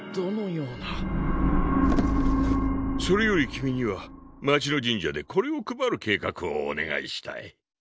それより君には街の神社でこれを配る計画をお願いしたい。